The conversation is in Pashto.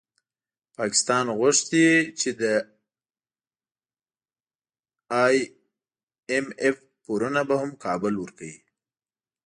پاکستان غوښتي چي د ای اېم اېف پورونه به هم کابل ورکوي